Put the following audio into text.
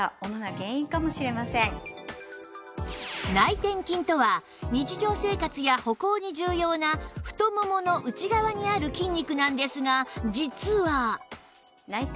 内転筋とは日常生活や歩行に重要な太ももの内側にある筋肉なんですが実は